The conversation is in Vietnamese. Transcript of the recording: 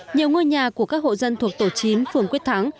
nhiều ngôi nhà của các hộ dân thuộc tổ chín phường quyết thắng